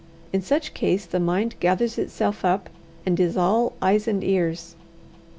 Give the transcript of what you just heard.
In such case the mind gathers itself up, and is all eyes and ears.